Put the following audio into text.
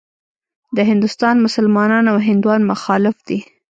د هندوستان مسلمانان او هندوان مخالف دي.